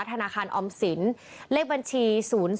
ธนาคารออมสินเลขบัญชี๐๒๐๑๒๒๘๗๗๓๖๖